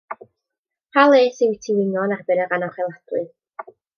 Pa les yw i ti wingo yn erbyn yr anocheladwy?